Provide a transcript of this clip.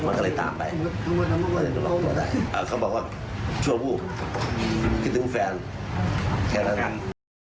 มันก็เลยตามไปเขาบอกว่าชั่ววูบคิดถึงแฟนแค่นั้น